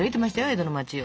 江戸の町を。